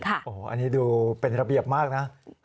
อันนี้ดูเป็นระเบียบมากนะ